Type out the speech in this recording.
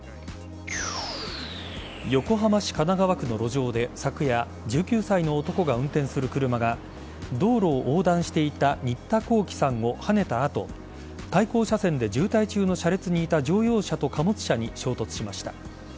横浜市神奈川区の路上で昨夜１９歳の男が運転する車が道路を横断していた新田晧輝さんをはねた後対向車線で渋滞中の車列にいた乗用車と貨物車に衝突しました。